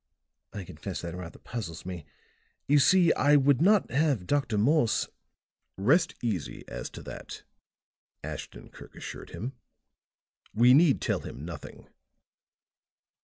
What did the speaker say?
I confess that rather puzzles me. You see, I would not have Dr. Morse " "Rest easy as to that," Ashton Kirk assured him; "we need tell him nothing."